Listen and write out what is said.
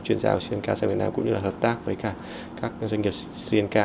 chuyên gia của sri lanka sang việt nam cũng như là hợp tác với các doanh nghiệp sri lanka